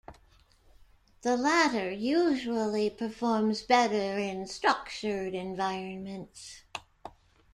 The latter usually performs better in structured environments.